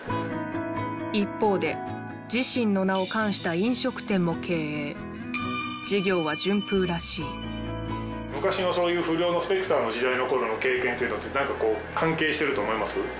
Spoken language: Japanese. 一方で自身の名を冠した飲食店も経営事業は順風らしい昔のそういう不良のスペクターの時代の頃の経験っていうのは何か関係してると思います？